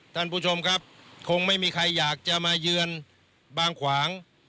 ท่านผู้ชมครับคงไม่มีใครอยากจะมาเยือนบางขวาง